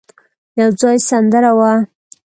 يو ځای سندره وه.